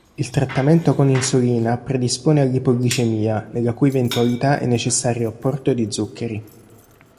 Il trattamento con insulina predispone all'ipoglicemia, nella cui eventualità è necessario apporto di zuccheri.